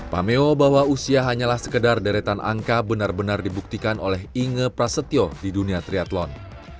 pameo bahwa usia hanyalah sekedar deretan angka benar benar dibuktikan oleh inge prasetyo di dunia triathlon